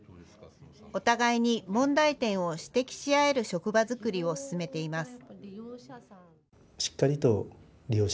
お互いに問題点を指摘し合える職場作りを進めています。